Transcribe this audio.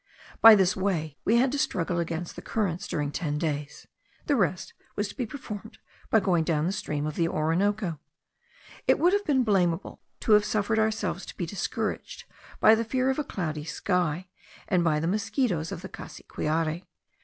By this way we had to struggle against the currents during ten days; the rest was to be performed by going down the stream of the Orinoco. It would have been blamable to have suffered ourselves to be discouraged by the fear of a cloudy sky, and by the mosquitos of the Cassiquiare.